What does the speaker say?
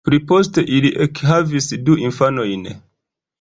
Pliposte ili ekhavis du infanojn.